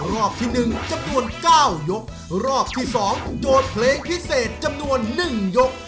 รอบที่๑จำนวน๙ยกรอบที่สองโจทย์เพลงพิเศษจำนวนหนึ่งยก